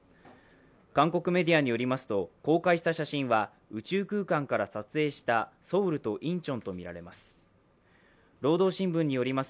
韓国メディアによりますと、公開した写真は宇宙空間から撮影したソウルとインチョンとみられます。